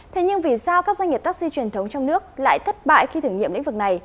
thế nhưng vì sao các doanh nghiệp taxi truyền thống trong nước lại thất bại khi thử nghiệm lĩnh vực này